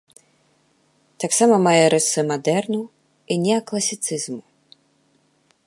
Таксама мае рысы мадэрну і неакласіцызму.